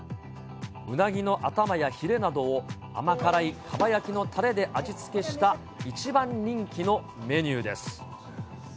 うなぎの頭やヒレなどを甘辛いかば焼きのたれで味付けした、一番人気のメニューです。